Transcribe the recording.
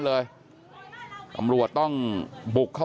เดี๋ยวให้กลางกินขนม